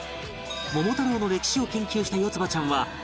『桃太郎』の歴史を研究したよつばちゃんは